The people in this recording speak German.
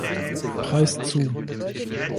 Preis zu.